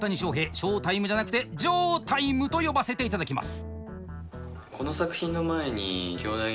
ショータイムじゃなくてジョータイムと呼ばせて頂きます。